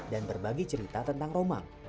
dan berbagi cerita tentang romang